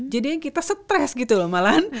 jadinya kita stress gitu loh malahan